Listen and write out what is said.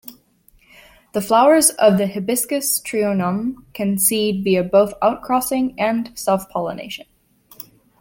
The flowers of the "Hibiscus trionum" can set seed via both outcrossing and self-pollination.